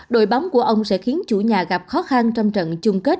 đội bóng của ông sẽ khiến chủ nhà gặp khó khăn trong trận chung kết